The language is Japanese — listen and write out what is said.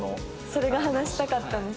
それが話したかったんです。